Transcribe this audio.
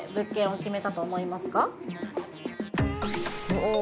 おお